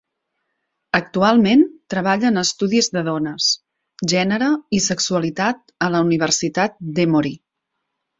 Actualment treballa en Estudis de Dones, Gènere i Sexualitat a la Universitat d'Emory.